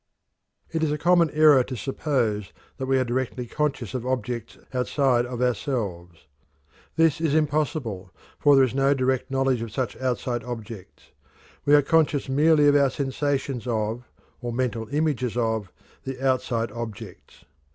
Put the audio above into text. It is a common error to suppose that we are directly conscious of objects outside of ourselves. This is impossible, for there is no direct knowledge of such outside objects. We are conscious merely of our sensations of, or mental images of, the outside objects.